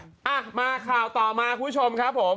อ่ะมาข่าวต่อมาคุณผู้ชมครับผม